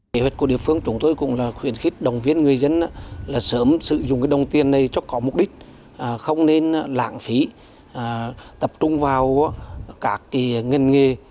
kế hoạch của địa phương chúng tôi cũng là khuyến khích đồng viên người dân là sớm sử dụng đồng tiền này cho có mục đích không nên lãng phí tập trung vào các ngành nghề